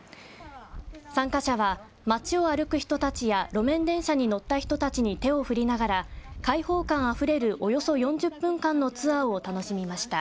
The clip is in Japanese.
参加者は街を歩く人たちや路面電車に乗った人たちに手を振りながら開放感あふれるおよそ４０分間のツアーを楽しみました。